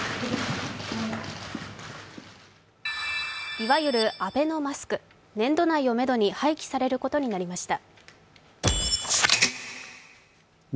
いわゆるアベノマスク年度内をめどに廃棄されることになりました。